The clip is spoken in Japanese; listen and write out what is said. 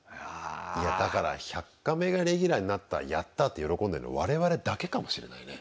いやだから「１００カメ」がレギュラーになったやった！って喜んでるの我々だけかもしれないね。